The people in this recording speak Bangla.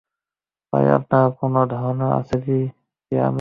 ভাই, আপনার কোনও ধারণা আছে কে আমি?